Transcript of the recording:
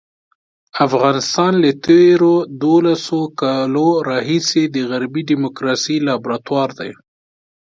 افغانستان له تېرو دولسو کالو راهیسې د غربي ډیموکراسۍ لابراتوار دی.